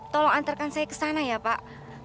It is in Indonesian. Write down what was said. tolong antarkan saya ke sana ya pak